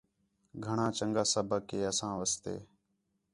گھݨاں چَنڳا سبق ہِے اَساں واسطے